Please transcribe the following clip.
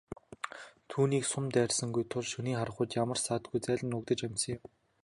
Түүнийг сум дайрсангүй тул шөнийн харанхуйд ямар ч саадгүй зайлан нуугдаж амжсан юм.